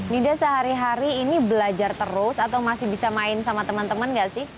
nida sehari hari ini belajar terus atau masih bisa main sama teman teman gak sih